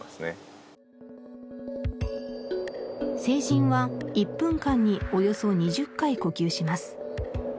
成人は１分間におよそ２０回呼吸します